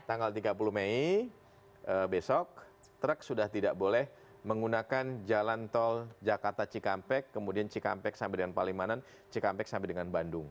tanggal tiga puluh mei besok truk sudah tidak boleh menggunakan jalan tol jakarta cikampek kemudian cikampek sampai dengan palimanan cikampek sampai dengan bandung